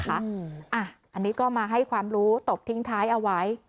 อันนี้ก็มาให้ความรู้ตบทิ้งท้ายเอาไว้